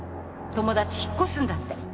友達引っ越すんだって。